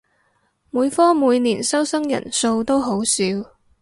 每科每年收生人數都好少